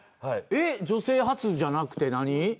女性初じゃなくて、何？